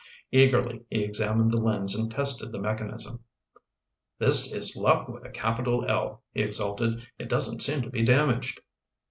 Eagerly, he examined the lens and tested the mechanism. "This is luck with a capital L," he exulted. "It doesn't seem to be damaged."